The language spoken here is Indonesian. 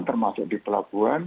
termasuk di pelabuhan